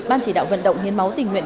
ban chỉ đạo vận động hiến máu tỉnh nguyện